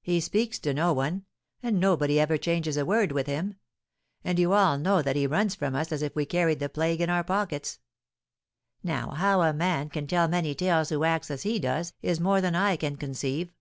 He speaks to no one, and nobody ever changes a word with him; and you all know that he runs from us as if we carried the plague in our pockets. Now, how a man can tell many tales who acts as he does, is more than I can conceive.